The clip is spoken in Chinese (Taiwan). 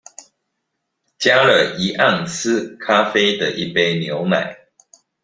加了一盎司咖啡的一杯牛奶